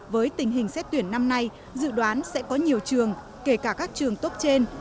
với tình hình xét tuyển năm nay dự đoán sẽ có nhiều trường kể cả các trường tốt trên